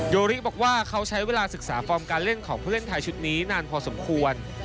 โอริบอกว่าเขาใช้เวลาศึกษาฟอร์มการเล่นของผู้เล่นไทยชุดนี้นานพอสมควร